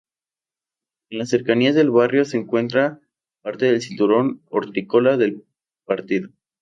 En las cercanías del barrio se encuentra pare del cinturón hortícola del Partido.